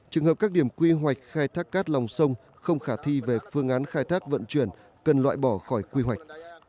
trường hợp các điểm quy hoạch khai thác cát lòng sông không khả thi về phương án khai thác vận chuyển cần loại bỏ khỏi quy hoạch